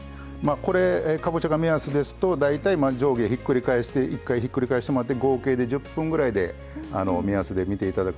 これかぼちゃが目安ですと大体まあ上下ひっくり返して１回ひっくり返してもらって合計で１０分ぐらいで目安で見ていただくといいと思いますよ。